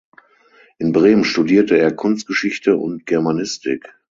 In Bremen studierte er Kunstgeschichte und Germanistik.